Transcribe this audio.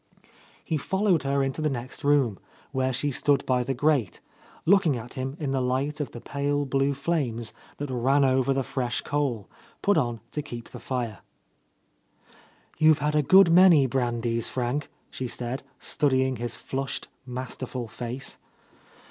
He followed her into the next room, where she stood by the grate, looking at him in the light of the pale blue flames that ran over the fresh coal, put on to keep the fire. "You've had a good many brandies, Frank," she said, studying his flushed, masterful face.